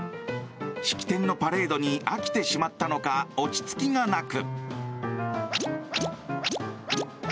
式典のパレードに飽きてしまったのか落ち着きがなく。